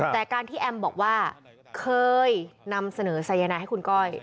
แต่การที่แอมบอกว่าเคยนำเสนอสายนายให้คุณก้อย